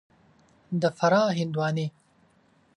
د فراه هندوانې